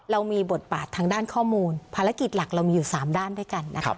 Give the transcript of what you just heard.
เรามีบทบาททางด้านข้อมูลภารกิจหลักเรามีอยู่๓ด้านด้วยกันนะครับ